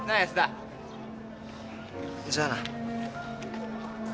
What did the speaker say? じゃあな。